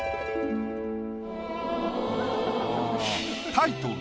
タイトル